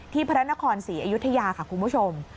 พระนครศรีอยุธยาค่ะคุณผู้ชม